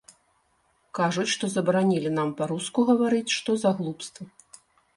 Кажуць, што забаранілі нам па-руску гаварыць, што за глупства.